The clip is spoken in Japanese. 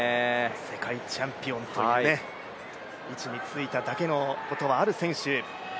世界チャンピオンという位置についただけある選手。